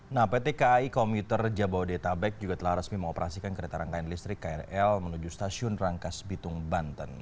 nah pt kai komuter jabodetabek juga telah resmi mengoperasikan kereta rangkaian listrik krl menuju stasiun rangkas bitung banten